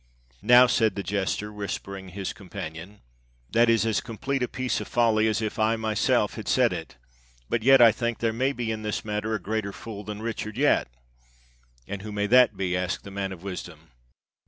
"Now," said the jester, whispering his companion, " that is as complete a piece of folly, as if I myself had said it; but yet, I think, there may be in this matter a greater fool than Richard yet." "And who may that be?" asked the man of wisdom.